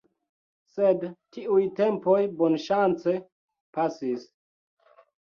Sed tiuj tempoj bonŝance pasis.